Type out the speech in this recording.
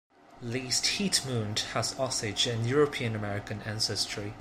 Least Heat-Moon has Osage and European-American ancestry.